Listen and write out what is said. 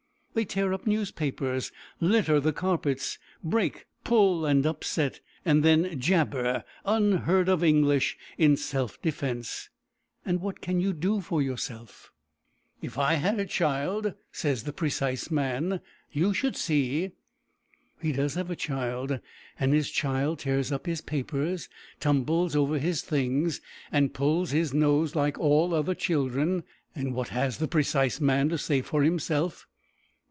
They tear up newspapers, litter the carpets, break, pull, and upset, and then jabber unheard of English in self defense; and what can you do for yourself? "If I had a child," says the precise man, "you should see." He does have a child, and his child tears up his papers, tumbles over his things, and pulls his nose like all other children; and what has the precise man to say for himself?